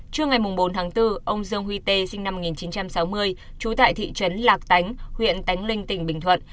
trưa ngày bốn tháng bốn ông dương huy tê sinh năm một nghìn chín trăm sáu mươi trú tại thị trấn lạc tánh huyện tánh linh tỉnh bình thuận